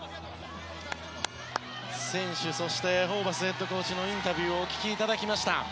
選手、ホーバスヘッドコーチのインタビューをお聞きいただきました。